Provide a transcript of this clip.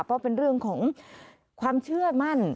เพราะเป็นเรื่องของความเชื่อมั่น